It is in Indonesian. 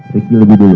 riki lebih dulu